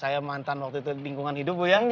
saya mantan waktu itu lingkungan hidup bu ya